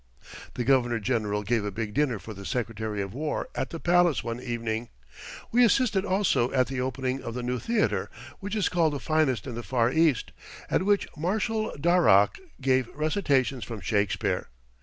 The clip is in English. The Governor General gave a big dinner for the Secretary of War at the palace one evening. We assisted also at the opening of the new theater which is called the finest in the Far East at which Marshall Darrach gave recitations from Shakespeare.